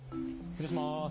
失礼します。